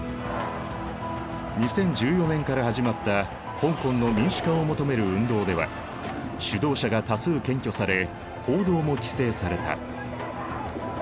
２０１４年から始まった香港の民主化を求める運動では主導者が多数検挙され報道も規制された。